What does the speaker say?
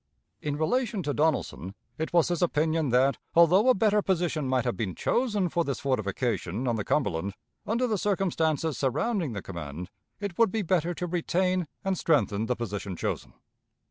In relation to Donelson, it was his opinion that, although a better position might have been chosen for this fortification on the Cumberland, under the circumstances surrounding the command, it would be better to retain and strengthen the position chosen.